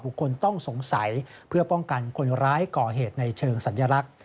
คนต้องสงสัยเพื่อป้องกันคนร้ายก่อเหตุในเชิงสัญลักษณ์